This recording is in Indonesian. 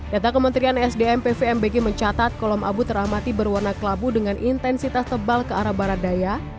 data kementerian sdm pvmbg mencatat kolom abu teramati berwarna kelabu dengan intensitas tebal ke arah barat daya